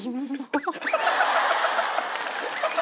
ハハハハ！